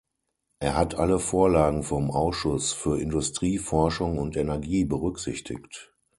Er hat alle Vorlagen vom Ausschuss für Industrie, Forschung und Energie berücksichtigt.